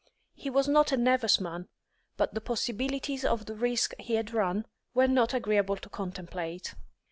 He was not a nervous man, but the possibilities of the risk he had run were not agreeable to contemplate.